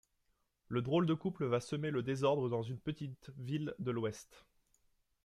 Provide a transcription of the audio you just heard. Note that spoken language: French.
Le drôle de couple va semer le désordre dans une petite ville de l'Ouest.